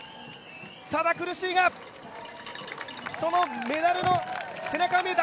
ただ苦しいが、そのメダルの背中が見えた。